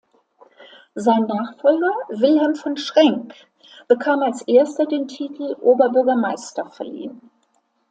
Sein Nachfolger, Wilhelm von Schrenck bekam als erster den Titel Oberbürgermeister verliehen.